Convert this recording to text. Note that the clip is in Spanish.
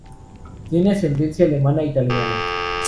Tiene ascendencia alemana e italiana.